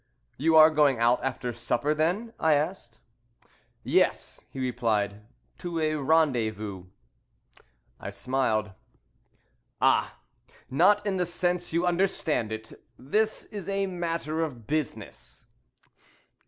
"You are going out after supper, then?" I asked. "Yes," he replied, "to a rendezvous." I smiled. "Ah, not in the sense you understand it this is a matter of business."